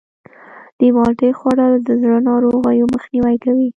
د مالټې خوړل د زړه د ناروغیو مخنیوی کوي.